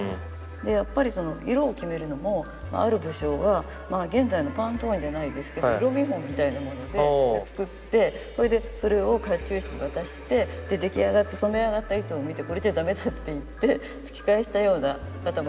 でやっぱり色を決めるのもある武将が現在のパントーンじゃないですけど色見本みたいなもので作ってそれでそれを甲冑師に渡してで出来上がった染め上がった糸を見てこれじゃダメだっていって突き返したような方もいらしたそうです。